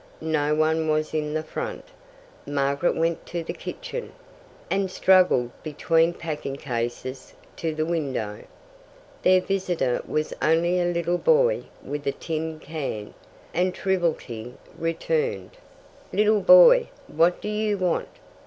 No one was in the front. Margaret went to the kitchen, and struggled between packing cases to the window. Their visitor was only a little boy with a tin can. And triviality returned. "Little boy, what do you want?"